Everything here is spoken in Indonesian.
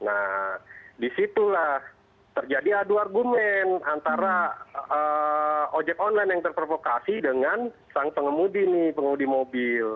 nah disitulah terjadi adu argumen antara objek online yang terprovokasi dengan sang pengemudi mobil